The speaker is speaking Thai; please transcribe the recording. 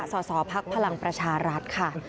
ส่อภาคพลังประชารัฐค่ะ